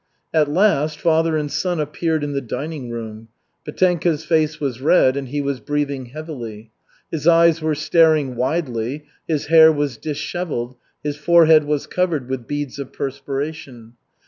At last, father and son appeared in the dining room. Petenka's face was red and he was breathing heavily. His eyes were staring widely, his hair was disheveled, his forehead was covered with beads of perspiration.